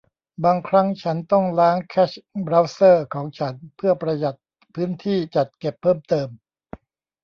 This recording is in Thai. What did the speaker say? บางครั้งฉันต้องล้างแคชเบราว์เซอร์ของฉันเพื่อประหยัดพื้นที่จัดเก็บเพิ่มเติม